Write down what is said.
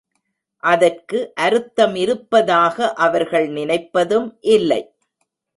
அதற்கு அருத்தமிருப்பதாக அவர்கள் நினைப்பதும் இல்லை.